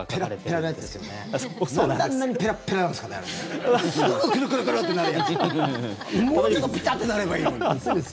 もうちょっとピタッてなればいいのに。